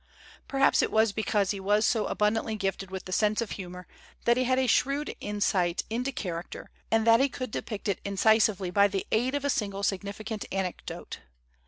Perhaps it was be cause he was so abundantly gifted with the sense of humor that he had a shrewd insight 240 THEODORE ROOSEVELT AS A MAN OF LETTERS into character and that he could depict it inci sively by the aid of a single significant anecdote.